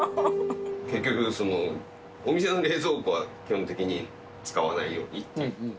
結局、お店の冷蔵庫は基本的に使わないようにって言って。